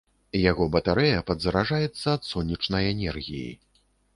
Яго батарэя падзараджаецца ад сонечнай энергіі.